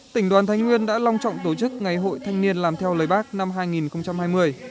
tỉnh đoàn thánh nguyên đã long trọng tổ chức ngày hội thanh niên làm theo lời bác năm hai nghìn hai mươi